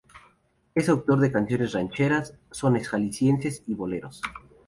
Es autor de canciones rancheras, sones jaliscienses y boleros.